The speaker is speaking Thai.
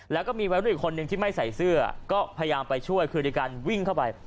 แล้วก็มีวัยรุ่นอีกคนนึงที่ไม่ใส่เสื้อก็พยายามไปช่วยคือในการวิ่งเข้าไป